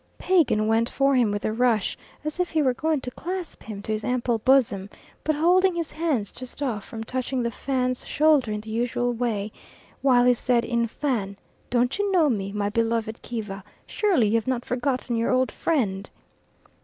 Pagan went for him with a rush, as if he were going to clasp him to his ample bosom, but holding his hands just off from touching the Fan's shoulder in the usual way, while he said in Fan, "Don't you know me, my beloved Kiva? Surely you have not forgotten your old friend?"